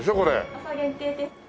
朝限定です。